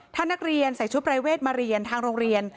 ถ้านักเรียนใส่ชุดประเวทมาเรียนทางโรงเรียน